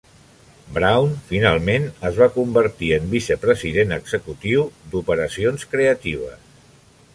Brown finalment es va convertir en vicepresident executiu d'operacions creatives.